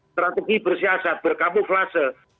strategi bersiasat berkapuflase